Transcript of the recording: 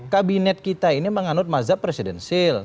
kabinet kita ini menganut mazhab presidensil